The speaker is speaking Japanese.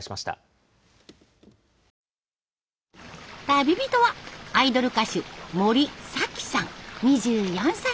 旅人はアイドル歌手森咲樹さん２４歳。